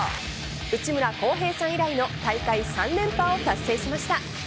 内村航平さん以来の大会３連覇を達成しました。